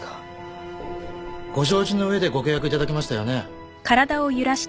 ご承知の上でご契約いただきましたよね。